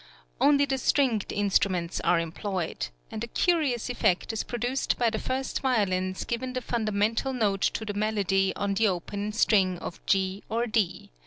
Only the stringed instruments are employed; and a curious effect is produced by the first violins giving the fundamental note to the melody on the open string of G or D.